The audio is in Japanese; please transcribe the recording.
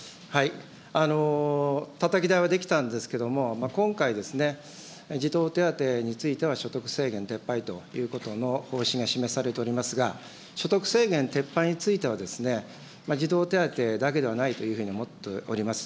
たたき台は出来たんですけれども、今回、児童手当については所得制限撤廃ということの方針が示されておりますが、所得制限撤廃については、児童手当だけではないというふうに思っております。